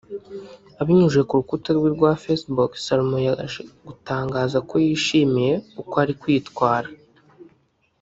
Abinyujije ku rukuta rwe rwa Facebook Salomon yaje gutangaza ko yishimiye uko ari kwitwara